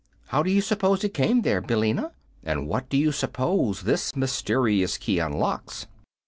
How do you suppose it came there, Billina? And what do you suppose this mysterious key unlocks?"